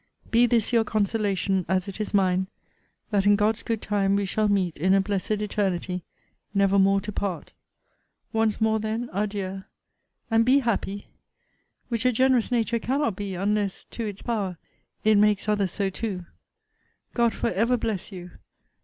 Be this your consolation, as it is mine, that in God's good time we shall meet in a blessed eternity, never more to part! Once more, then, adieu! and be happy! Which a generous nature cannot be, unless to its power it makes others so too. God for ever bless you!